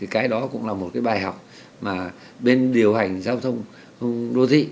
cái đó cũng là một cái bài học mà bên điều hành giao thông đô thị